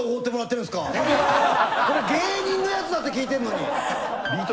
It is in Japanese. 芸人のやつだって聞いてるのに。